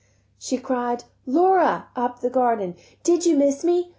She cried, "Laura," up the garden, "Did you miss me?